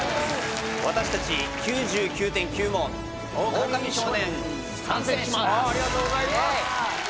私達「９９．９」も「オオカミ少年」に参戦します